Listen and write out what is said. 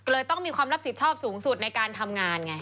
เลยต้องมีความรับผิดชอบสูงสุดในการทำงานไง